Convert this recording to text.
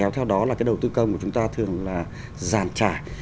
theo đó là cái đầu tư công của chúng ta thường là giàn trải